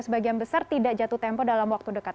sebagian besar tidak jatuh tempo dalam waktu dekat